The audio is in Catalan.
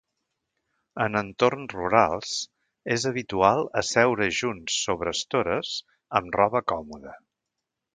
En entorns rurals, és habitual asseure's junts sobre estores amb roba còmoda.